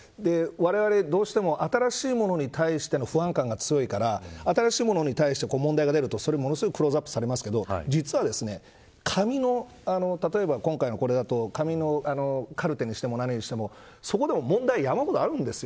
われわれどうしても新しいものに対しての不安感が強いから新しいものに対して問題が出るとそれがものすごいクローズアップされますが実は紙の、例えば今回の紙のカルテにしても、何にしてもそこでも問題は山ほどあるんです。